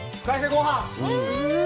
ごはん。